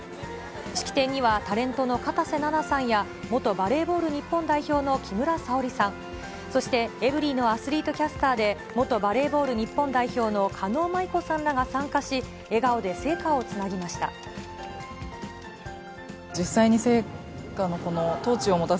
式典には、タレントの片瀬那奈さんや元バレーボール日本代表の木村沙織さん、そしてエブリィのアスリートキャスターで、元バレーボール日本代表の狩野舞子さんらが参加し、笑顔で聖火をつなぎました。